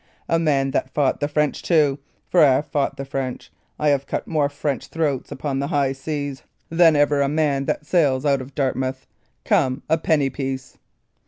A man that fought the French, too; for I have fought the French; I have cut more French throats upon the high seas than ever a man that sails out of Dartmouth. Come, a penny piece."